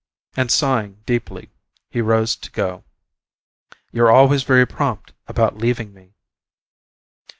And, sighing deeply he rose to go. "You're always very prompt about leaving me."